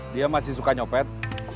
dia masih suka nyopet